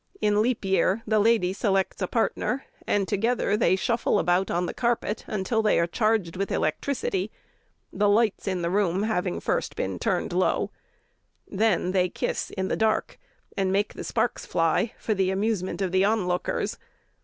In leap year the lady selects a partner, and together they shuffle about on the carpet until they are charged with electricity, the lights in the room having first been turned low. Then they kiss in the dark, and make the sparks fly for the amusement of the on lookers.